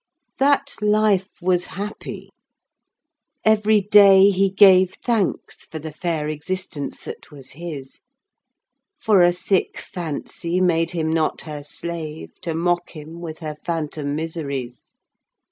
"That life was happy; every day he gave Thanks for the fair existence that was his; For a sick fancy made him not her slave, To mock him with her phantom miseries.